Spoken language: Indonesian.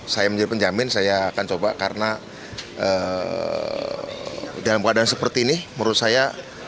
saya menjadi penjamin saya akan coba karena dalam keadaan seperti ini menurut saya